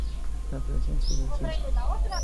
La inflorescencia es densa.